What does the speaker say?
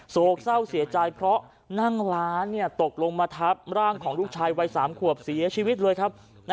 โศกเศร้าเสียใจเพราะนั่งร้านตกลงมาทับร่างของลูกชายวัย๓ขวบเสียชีวิตเลยครับ